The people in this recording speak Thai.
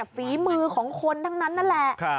ฝีมือของคนทั้งนั้นนั่นแหละ